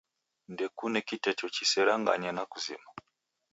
Ndekune kiteto chiserangane na vizima.